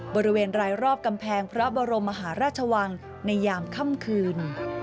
บริเวณรายรอบกำแพงพระบรมมหาราชวังในยามค่ำคืน